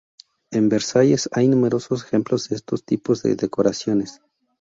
En Versalles hay numerosos ejemplos de estos tipos de decoraciones.